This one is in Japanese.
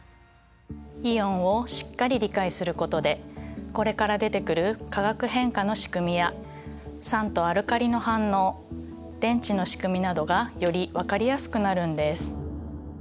イオンをしっかり理解することでこれから出てくる化学変化の仕組みや酸とアルカリの反応電池の仕組みなどがより分かりやすくなるんです。